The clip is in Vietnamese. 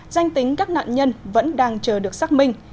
danh tính các nạn nhân vẫn đang chờ được xác minh